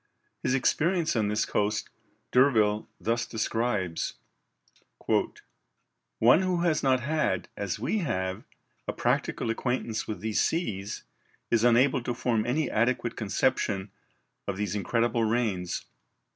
His experience on this coast D'Urville thus describes: "One who has not had, as we have, a practical acquaintance with these seas, is unable to form any adequate conception of these incredible rains.